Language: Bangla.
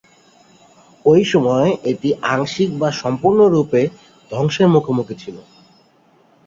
ঐ সময়ে এটি আংশিক বা সম্পূর্ণরূপে ধ্বংসের মুখোমুখি ছিল।